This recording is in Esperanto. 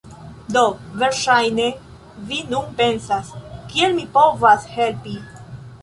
Do verŝajne vi nun pensas, "Kiel mi povas helpi?"